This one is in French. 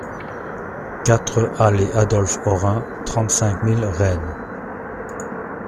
quatre allée Adolphe Orain, trente-cinq mille Rennes